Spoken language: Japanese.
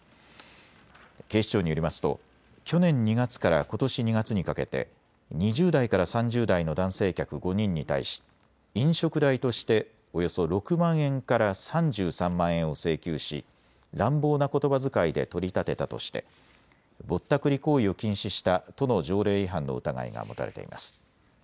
警視庁によりますと去年２月からことし２月にかけて２０代から３０代の男性客５人に対し飲食代としておよそ６万円から３３万円を請求し乱暴なことばづかいで取り立てたとしてぼったくり行為を禁止した都の条例違反の疑いが持たれています。